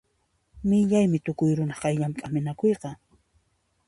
Millaymi tukuy runa qayllanpi k'aminakuyqa.